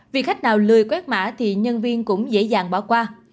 vì khách nào lười quét mã thì nhân viên cũng dễ dàng bỏ qua